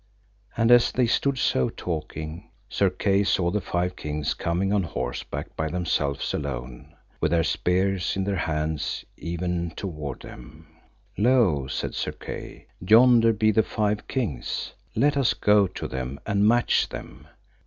And as they stood so talking, Sir Kay saw the five kings coming on horseback by themselves alone, with their spears in their hands even toward them. Lo, said Sir Kay, yonder be the five kings; let us go to them and match them.